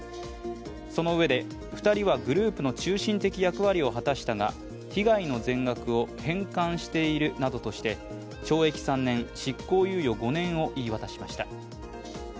そのうえで、２人はグループの中心的役割を果たしたが被害の全額を返還しているなどとして懲役３年・執行猶予５年を言い渡しました。